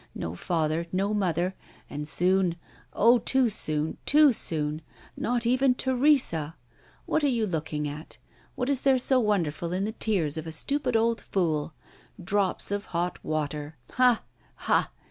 No father, no mother; and soon oh, too soon, too soon not even Teresa! What are you looking at? What is there so wonderful in the tears of a stupid old fool? Drops of hot water. Ha! ha!